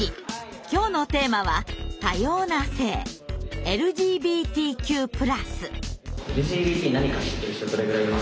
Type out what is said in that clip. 今日のテーマは多様な性「ＬＧＢＴＱ＋」。